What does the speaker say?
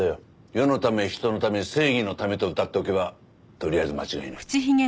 世のため人のため正義のためとうたっておけばとりあえず間違いない。